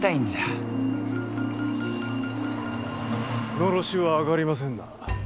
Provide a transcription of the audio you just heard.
のろしは上がりませんな。